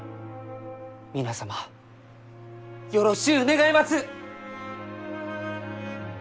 皆様よろしゅう願います！